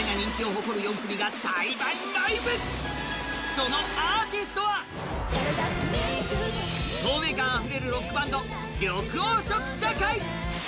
そのアーティストは透明感溢れるロックバンド、緑黄色社会。